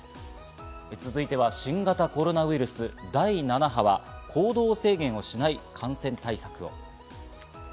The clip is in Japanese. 続いては、新型コロナウイルス第７波は行動制限をしない感染対策を。